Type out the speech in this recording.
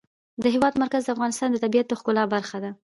د هېواد مرکز د افغانستان د طبیعت د ښکلا برخه ده.